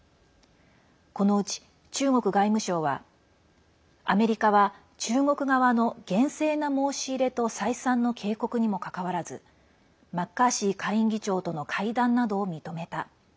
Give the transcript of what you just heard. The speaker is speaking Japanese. このうち、中国外務省はアメリカは中国側の厳正な申し入れと再三の警告にもかかわらずマッカーシー下院議長との会談などを認めた。